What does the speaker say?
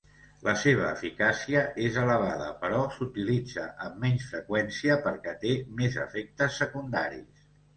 La seva eficàcia és elevada però s'utilitza amb menys freqüència perquè té més efectes secundaris.